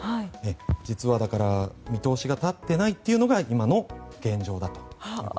実は、見通しが立っていないというのが今の現状です。